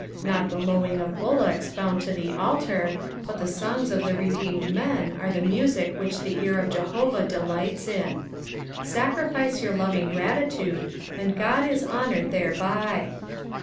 Not the lowing of bullocks bound to the aitar. but the songs of redeemed men are the music which the ear of Jehovah delights in. Sacrifice your loving gratitude, and God ia honoured thereby.